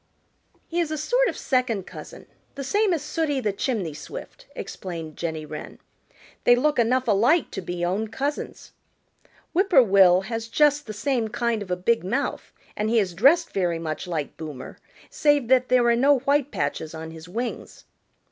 "He is a sort of second cousin, the same as Sooty the Chimney Swift," explained Jenny Wren. "They look enough alike to be own cousins. Whip poor will has just the same kind of a big mouth and he is dressed very much like Boomer, save that there are no white patches on his wings."